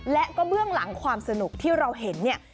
และก็เบื้องหลังความสนุกที่เราเห็นเนี่ย